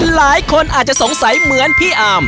หลายคนอาจจะสงสัยเหมือนพี่อาร์ม